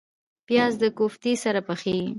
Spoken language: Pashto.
پیاز د کوفتې سره پخیږي